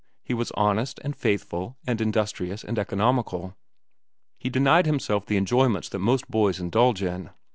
He was honest, and faithful, and industrious, and economical. He denied himself the enjoyments that most boys indulge in.